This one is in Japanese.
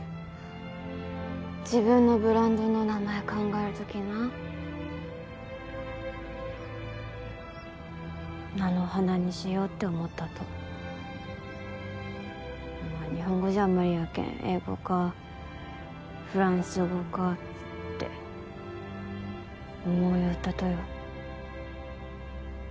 自分のブランドの名前考える時な「菜の花」にしようって思ったと日本語じゃあんまりやけん英語かフランス語かって思いよったとよ